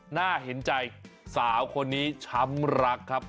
น่าเห็นใจสาวคนนี้ช้ำรักครับ